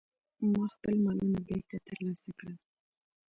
ما خپل مالونه بیرته ترلاسه کړل.